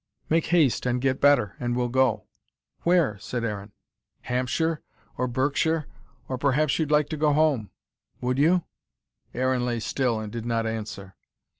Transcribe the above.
"Make haste and get better, and we'll go." "Where?" said Aaron. "Hampshire. Or Berkshire. Or perhaps you'd like to go home? Would you?" Aaron lay still, and did not answer.